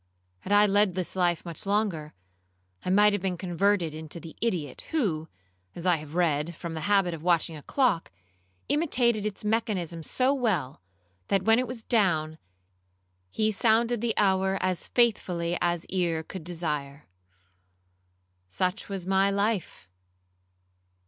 Had I led this life much longer, I might have been converted into the idiot, who, as I have read, from the habit of watching a clock, imitated its mechanism so well, that when it was down, he sounded the hour as faithfully as ear could desire. Such was my life.